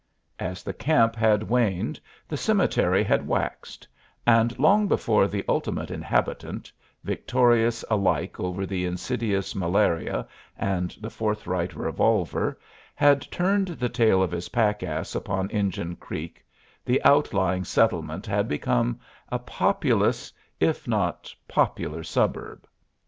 As the camp had waned the cemetery had waxed; and long before the ultimate inhabitant, victorious alike over the insidious malaria and the forthright revolver, had turned the tail of his pack ass upon Injun Creek the outlying settlement had become a populous if not popular suburb.